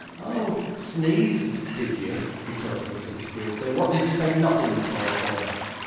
'Oh! sneezed, did you?' retorted Mr. Squeers. 'Then what did you say "nothing" for, sir?